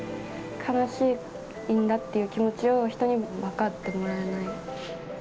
悲しいんだっていう気持ちを、人に分かってもらえない。